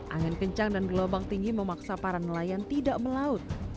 angin kencang dan gelombang tinggi memaksa para nelayan tidak melaut